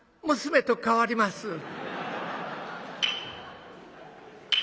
娘と代わります」。